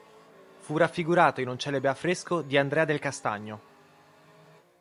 Fu raffigurato in un celebre affresco di Andrea del Castagno.